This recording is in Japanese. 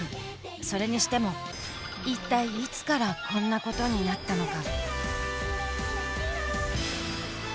それにしても一体いつからこんな事になったのか？